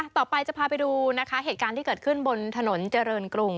ต่อไปจะพาไปดูนะคะเหตุการณ์ที่เกิดขึ้นบนถนนเจริญกรุง